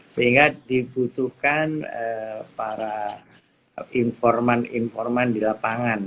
sehingga dibutuhkan para informan informan di lapangan